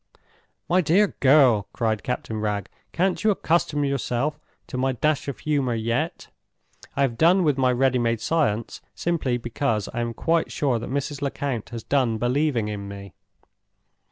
"My dear girl!" cried Captain Wragge, "can't you accustom yourself to my dash of humor yet? I have done with my ready made science simply because I am quite sure that Mrs. Lecount has done believing in me.